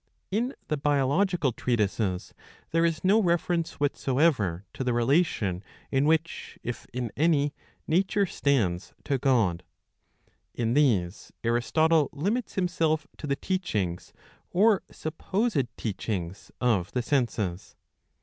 In the biological treatises there is no reference whatsoever to the re lation in which, if in any. Nature stands to God. In these Aristotle limits himself to the teachings, or supposed teachings, of the senses.